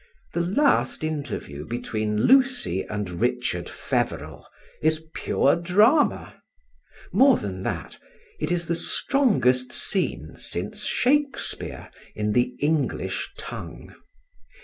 The last interview between Lucy and Richard Feveril is pure drama; more than that, it is the strongest scene, since Shakespeare, in the English tongue.